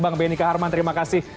bang benika harman terima kasih